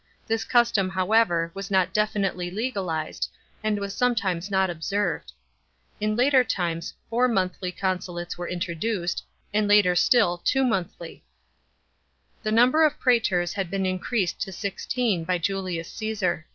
This custom, however, was not definitely legal sed, and was sometimes not observed. In later times four monthly consulates were introduced,* and later still two monthly, f The number of prsetors had been increased to sixteen by Julius Caesar.